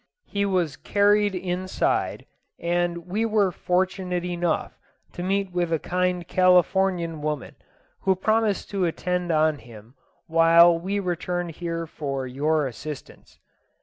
He was carried inside, and we were fortunate enough to meet with a kind Californian woman, who promised to attend on him while we returned here for your assistance."